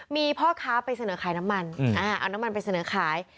มีพ่อค้าไปเสนอขายน้ำมันเอาน้ำมันไปเสนอขาย